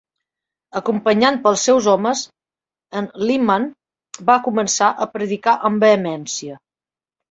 Acompanyat pels seus homes, en Lyman va començar a predicar amb vehemència.